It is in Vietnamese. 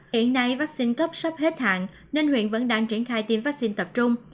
hiện nay vaccine cấp sắp hết hạn nên huyện vẫn đang triển khai tiêm vaccine tập trung